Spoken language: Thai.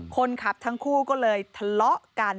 คนขับทั้งคู่ก็เลยทะเลาะกัน